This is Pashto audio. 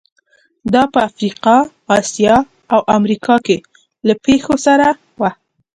دا په افریقا، اسیا او امریکا کې له پېښو سره وو.